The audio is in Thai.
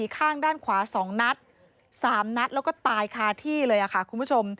ข้างด้านขวา๒นัด๓นัดแล้วก็ตายคาที่เลยค่ะคุณผู้ชม